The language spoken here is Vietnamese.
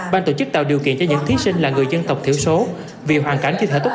ban tổ chức tạo điều kiện cho những thí sinh là người dân tộc thiểu số vì hoàn cảnh thi thể tốt